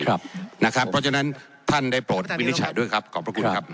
เพราะฉะนั้นท่านได้โปรดวินิจฉัยด้วยครับขอบพระคุณครับ